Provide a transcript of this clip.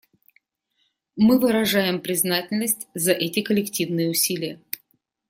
Мы выражаем признательность за эти коллективные усилия.